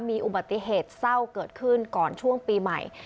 มีอุบัติเหตุเศร้าเกิดขึ้นก่อนช่วงปีใหม่